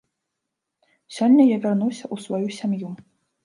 Сёння я вярнуўся ў сваю сям'ю.